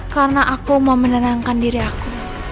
karena aku mau menenangkan diri aku